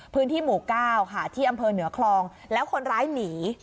พื้นที่หมู่เก้าค่ะที่อำเภอเหนือคลองแล้วคนร้ายหนี